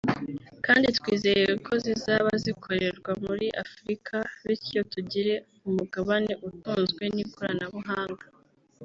kandi twizeye ko zizaba zikorerwa muri Afurika bityo tugire umugabane utunzwe n’ikoranabuhanga